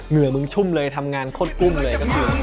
เหงื่อมึงชุ่มเลยทำงานโคตรกุ้มเลย